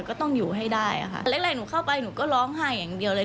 ก็ต้องอยู่ให้ได้ค่ะแรกแรกหนูเข้าไปหนูก็ร้องไห้อย่างเดียวเลย